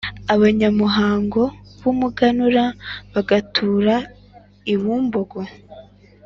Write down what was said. abanyamuhango b’umuganura, bagatura i Bumbogo;